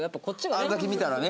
あんだけ見たらね。